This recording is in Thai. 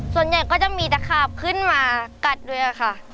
ส่วนใหญ่ก็จะมีตะขาบขึ้นมากัดด้วยค่ะ